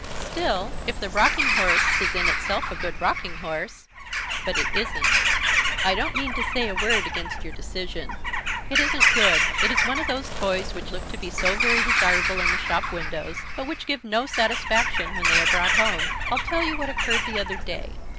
"Still, if the rocking horse is in itself a good rocking horse " "But it isn't." "I don't mean to say a word against your decision." "It isn't good. It is one of those toys which look to be so very desirable in the shop windows, but which give no satisfaction when they are brought home. I'll tell you what occurred the other day.